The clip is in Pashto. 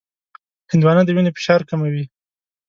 هندوانه د وینې فشار کموي.